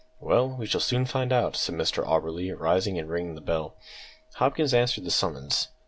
"Well, we shall soon find out," said Mr Auberly, rising and ringing the bell. Hopkins answered the summons.